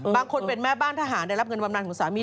เป็นคนเป็นแม่บ้านทหารได้รับเงินบำนานของสามี